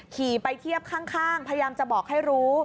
ขี่ไปเทียบข้างพยายามจะบอกให้รู้